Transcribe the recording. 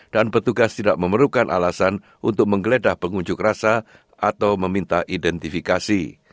dan petugas tidak memerlukan alasan untuk menggeledah pengunjuk rasa atau meminta identifikasi